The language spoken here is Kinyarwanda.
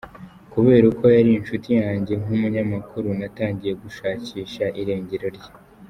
Kubera uko yari inshuti yanjye nk’umunyamakuru natangiye gushakisha irengero rye.